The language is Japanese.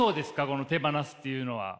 この手放すっていうのは？